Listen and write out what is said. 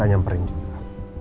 gak nyamperin juga